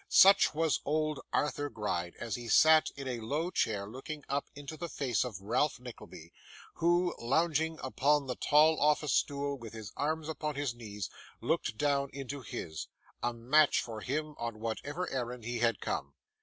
Such was old Arthur Gride, as he sat in a low chair looking up into the face of Ralph Nickleby, who, lounging upon the tall office stool, with his arms upon his knees, looked down into his; a match for him on whatever errand he had come.